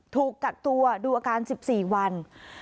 ถูกกักตัวดูอาการ๑๔วัน